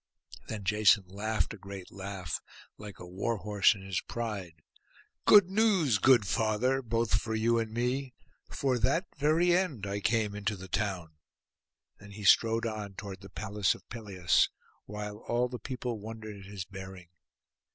Then Jason laughed a great laugh, like a war horse in his pride. 'Good news, good father, both for you and me. For that very end I came into the town.' Then he strode on toward the palace of Pelias, while all the people wondered at his bearing.